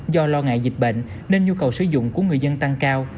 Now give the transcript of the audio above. do lo ngại dịch bệnh nên nhu cầu sử dụng của người dân tăng cao